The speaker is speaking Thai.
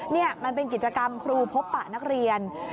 นี่มันเป็นกิจกรรมครูพบปะนักเรียน